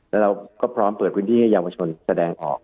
แล้วเราก็พร้อมเปิดพื้นที่ให้เยาวชนแสดงออก